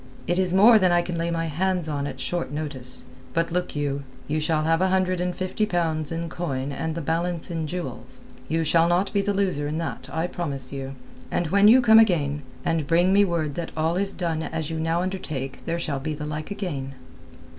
"It is more than I can lay my hands on at short notice. But, look you, you shall have a hundred and fifty pounds in coin and the balance in jewels. You shall not be the loser in that, I promise you. And when you come again, and bring me word that all is done as you now undertake there shall be the like again."